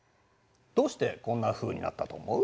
どうしてこんなふうになったと思う？